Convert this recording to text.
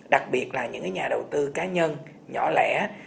đặc biệt là những nhà đầu tư cá nhân nhỏ lẻ